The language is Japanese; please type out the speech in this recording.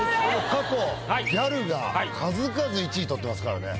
過去ギャルが数々１位取ってますからね。